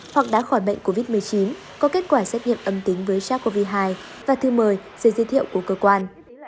hoặc đã khỏi bệnh covid một mươi chín có kết quả xét nghiệm âm tính với sars cov hai và thư mời dây thiệu của cơ quan